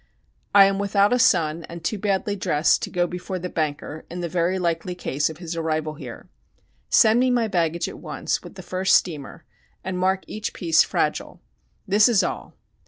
I am without a son and too badly dressed to go before the banker in the very likely case of his arrival here. Send me my baggage at once with the first steamer, and mark each piece "fragile." This is all.